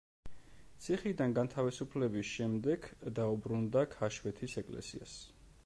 ციხიდან განთავისუფლების შემდეგ დაუბრუნდა ქაშვეთის ეკლესიას.